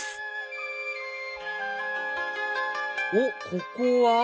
おっここは？